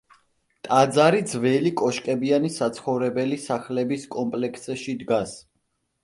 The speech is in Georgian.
ტაძარი ძველი კოშკებიანი საცხოვრებელი სახლების კომპლექსში დგას.